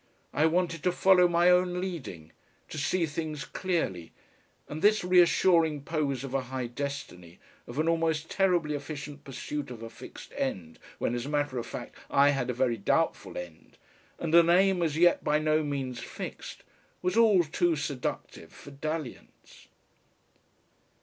I wanted to follow my own leading, to see things clearly, and this reassuring pose of a high destiny, of an almost terribly efficient pursuit of a fixed end when as a matter of fact I had a very doubtful end and an aim as yet by no means fixed, was all too seductive for dalliance....